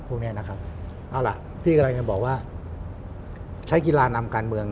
พวกนี้นะครับเอาล่ะพี่กำลังจะบอกว่าใช้กีฬานำการเมือง